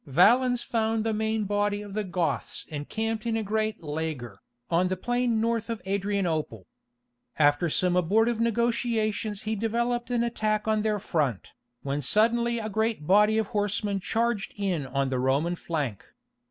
Valens found the main body of the Goths encamped in a great "laager," on the plain north of Adrianople. After some abortive negotiations he developed an attack on their front, when suddenly a great body of horsemen charged in on the Roman flank.